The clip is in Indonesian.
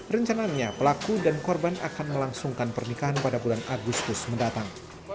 rencananya pelaku dan korban akan melangsungkan pernikahan pada bulan agustus mendatang